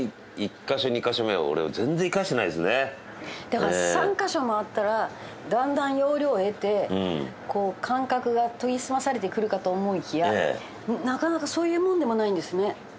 最初のだから３カ所回ったらだんだん要領を得て感覚が研ぎ澄まされてくるかと思いきやなかなかそういうものでもないんですね。